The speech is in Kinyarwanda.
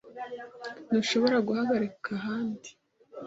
Ntushobora guhagarika ahandi?